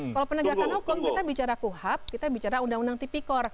kalau penegakan hukum kita bicara kuhap kita bicara undang undang tipikor